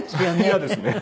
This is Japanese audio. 嫌ですね。